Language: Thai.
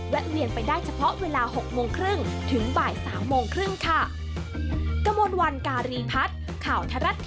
เวียนไปได้เฉพาะเวลา๖โมงครึ่งถึงบ่าย๓โมงครึ่งค่ะ